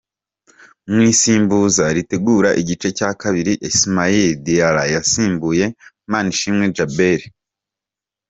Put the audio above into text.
Mu isimbuza ritegura igice cya kabiri, Ismaila Diarra yasimbuye Manishimwe Djabel.